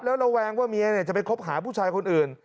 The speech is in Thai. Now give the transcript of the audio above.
แล้วระแวงว่าเมียจะไปคบหาผู้ชายคนอื่น